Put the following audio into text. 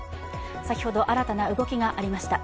先ほど新たな動きがありました。